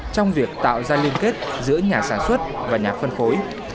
trong việc tạo ra liên kết giữa nhà sản xuất và nhà phân phối